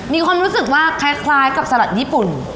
มีความรู้สึกว่าคล้ายกับสลัดญี่ปุ่น